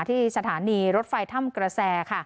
ที่สถานีรถไฟถ้ำกระแส